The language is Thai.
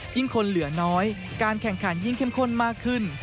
คนเหลือน้อยการแข่งขันยิ่งเข้มข้นมากขึ้น